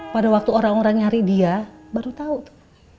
pada waktu orang orang nyari dia baru tahu tuh